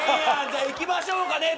じゃあいきましょうかね。